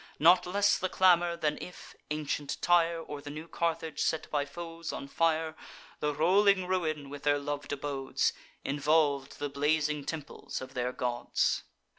Not less the clamour, than if ancient Tyre, Or the new Carthage, set by foes on fire, The rolling ruin, with their lov'd abodes, Involv'd the blazing temples of their gods.